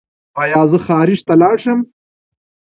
ایا زه خارج ته لاړ شم؟